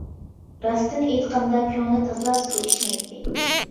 راستىنى ئېيتقاندا كۆڭلى تازا سۇ ئىچمەيتتى.